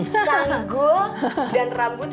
sanggul dan rambut